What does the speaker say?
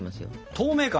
透明感。